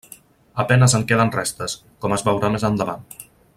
A penes en queden restes, com es veurà més endavant.